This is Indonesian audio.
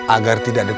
agar tidak terbukti